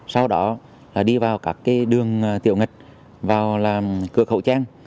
sau đó là đi vào các đường tiệu nghịch vào là cửa khẩu trang